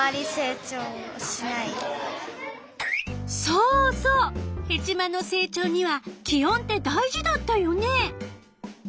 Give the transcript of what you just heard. そうそうヘチマの成長には気温って大事だったよね。